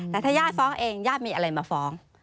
แต่ถ้าญาติฟ้องเองญาติมีอะไรมาฟ้อง